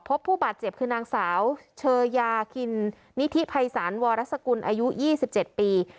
พบผู้บาดเจ็บคือนางสาวเชยากินนิทิไพรสรรค์วรรศกุลอายุยี่สิบเจ็ดปี